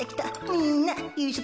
みんなゆいしょ